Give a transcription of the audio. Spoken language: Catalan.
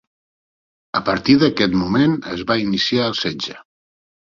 A partir d'aquest moment es va iniciar el setge.